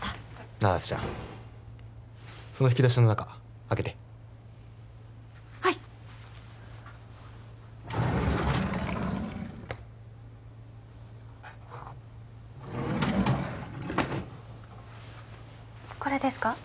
七瀬ちゃんその引き出しの中開けてはいこれですか？